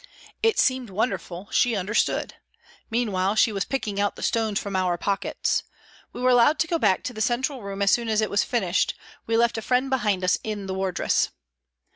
It seemed wonderful, she understood. Meanwhile she was picking out the stones from our pockets. We were allowed to go back to the central room as soon as it was finished, we left a friend behind us in the wardress.